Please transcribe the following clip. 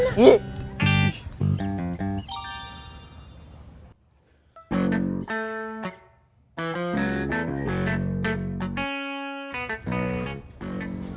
nanti gua kasih tau ke mama deh